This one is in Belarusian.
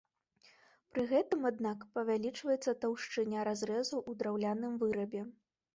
Пры гэтым, аднак, павялічваецца таўшчыня разрэзу ў драўляным вырабе.